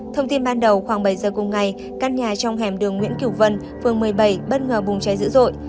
thông tin ban đầu khoảng bảy giờ cùng ngày căn nhà trong hẻm đường nguyễn cửu vân phường một mươi bảy bất ngờ bùng cháy dữ dội